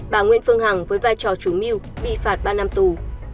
bà nguyễn phương hằng với vai trò chủ mưu bị phạt ba năm tù